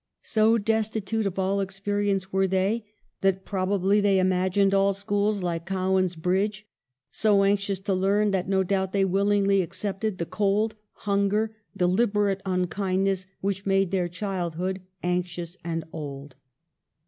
So destitute of all experience were they, that probably they imagined all schools like Cowan's Bridge; so anxious to learn, that no doubt they willingly accepted the cold, hunger, deliberate unkindness, which made their childhood anxious and old.